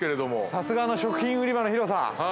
◆さすがの食品売り場の広さ。